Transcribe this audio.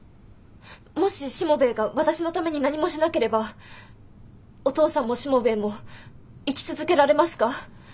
もししもべえが私のために何もしなければお父さんもしもべえも生き続けられますか？